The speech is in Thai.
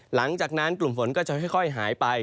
หลังจากนั้นกลุ่มฝนก็จะค่อยหายไป